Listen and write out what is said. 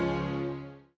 selamat ulang tahun